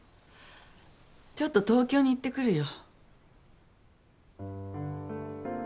ちょっと東京に行ってくるよ。